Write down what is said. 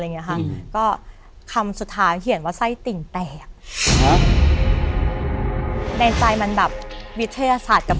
อย่างเงี้ยค่ะก็คำสุดท้ายเขียนว่าไส้ติ่งแตกในใจมันแบบวิทยาศาสตร์กับ